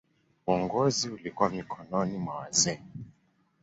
Uongozi ulikuwa mikononi mwa wazee.